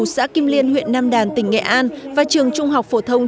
xã kim liên huyện nam đàn tỉnh nghệ an và trường trung học phổ thông